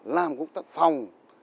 làm công tác phòng